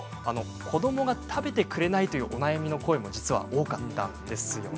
子どもが食べてくれないというお悩みの声も実は多かったんですよね。